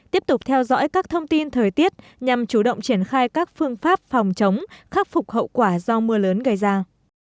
tiếp tục theo dõi các thông tin thời tiết nhằm chủ động triển khai các phương pháp phòng chống khắc phục hậu quả do mưa lớn gây ra